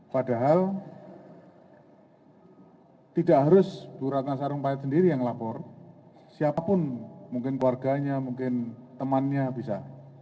padahal tidak harus bu ratna sarumpait sendiri yang lapor siapapun mungkin keluarganya mungkin temannya bisa